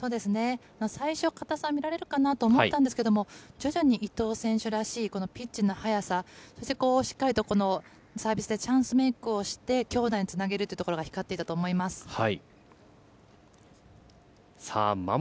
最初、堅さは見られるかなと思ったんですけど、徐々に伊藤選手らしいこのピッチの速さ、そしてしっかりとサービスでチャンスメークをして、強打につなげるというところが光っていたと思います。